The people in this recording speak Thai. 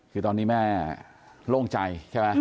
คือตอนนี้แม่โล่งใจใช่ไหม